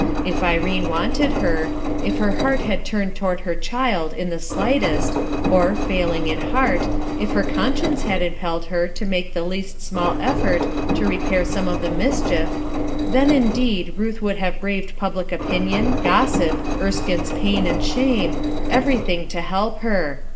If Irene wanted her — if her heart had turned toward her child in the slight est, or, failing in heart, if her conscience had impelled her to make the least small effort to repair some of the mischief, then, indeed, Ruth would have braved public opinion, gossip, Erskinc's pain and uhamo, everything to help her.